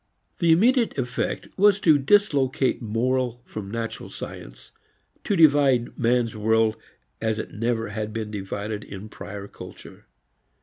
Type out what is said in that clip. The immediate effect was to dislocate moral from natural science, to divide man's world as it never had been divided in prior culture.